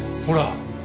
ほら！